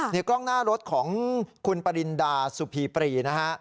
นี่กล้องหน้ารถของคุณปริณดาสุพีปรีนะฮะ